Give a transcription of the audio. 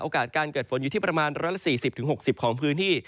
การเกิดฝนอยู่ที่ประมาณ๑๔๐๖๐ของพื้นที่